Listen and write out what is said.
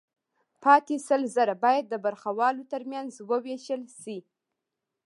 پاتې سل زره باید د برخوالو ترمنځ ووېشل شي